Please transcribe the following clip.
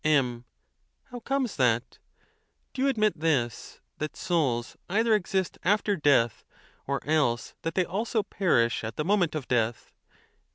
M. How comes that? Do you admit this—that souls 20 THE TUSCULAN DISPUTATIONS. either exist after death, or else that they also perish at the moment of death?